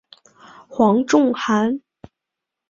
黄仲涵。